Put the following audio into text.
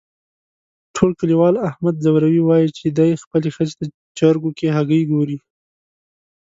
ټول کلیوال احمد ځوروي، وایي چې دی خپلې ښځې ته چرگو کې هگۍ گوري.